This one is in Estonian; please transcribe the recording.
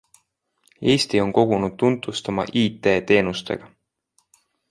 Eesti on kogunud tuntust oma IT teenustega.